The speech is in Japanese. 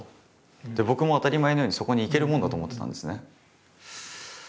僕も当たり前のようにそこに行けるもんだと思ってたんですね。